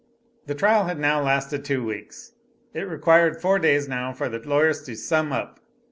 The trial had now lasted two weeks. It required four days now for the lawyers to "sum up."